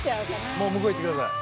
もう向こう行って下さい。